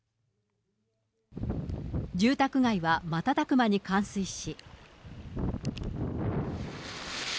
住宅街は瞬く間に冠水し。